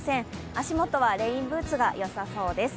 足元はレインブーツがよさそうです。